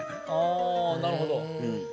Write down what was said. あなるほど。